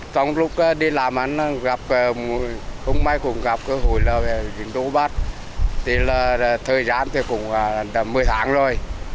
trong lúc đi làm hôm nay cũng gặp hồi lời dân đô bắt thời gian cũng một mươi tháng rồi